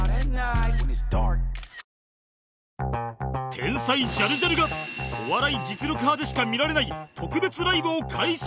天才ジャルジャルが『お笑い実力刃』でしか見られない特別ライブを開催